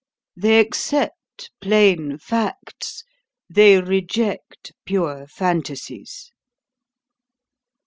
They accept plain facts: they reject pure phantasies.